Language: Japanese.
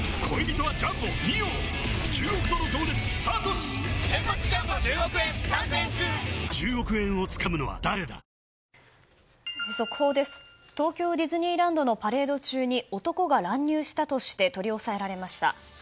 東京ディズニーランドのパレード中に男が乱入したとして取り押さえられました。